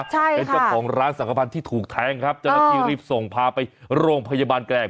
ใช่ค่ะเป็นเจ้าของร้านสังขพันธ์ที่ถูกแทงครับเจ้าหน้าที่รีบส่งพาไปโรงพยาบาลแกลง